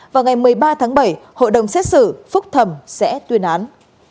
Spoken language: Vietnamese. vào ngày một mươi ba tháng bảy hội đồng xét xử phúc thẩm sẽ tuyên án